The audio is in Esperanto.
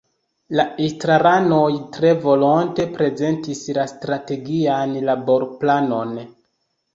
La estraranoj tre volonte prezentis la Strategian Laborplanon.